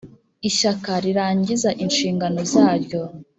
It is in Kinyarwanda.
Ishyaka rirangiza inshingano zaryo